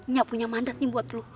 nggak punya mandat nih buat lo